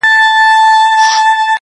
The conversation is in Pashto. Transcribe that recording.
• خدایه بیرته هغه تللی بیرغ غواړم -